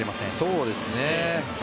そうですね。